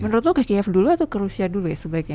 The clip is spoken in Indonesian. menurut lo ke kiev dulu atau ke rusia dulu ya sebaiknya